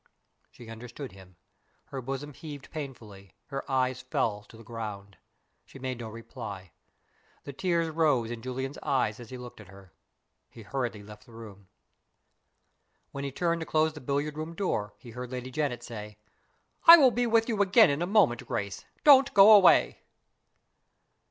She understood him. Her bosom heaved painfully; her eyes fell to the ground she made no reply. The tears rose in Julian's eyes as he looked at her. He hurriedly left the room. When he turned to close the billiard room door, he heard Lady Janet say, "I will be with you again in a moment, Grace; don't go away."